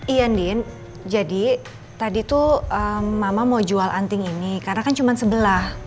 iya din jadi tadi tuh mama mau jual anting ini karena kan cuma sebelah